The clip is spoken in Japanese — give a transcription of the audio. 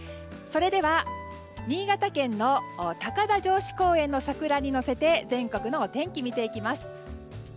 それでは新潟県の高田城址公園の桜に乗せて全国のお天気見ていきます。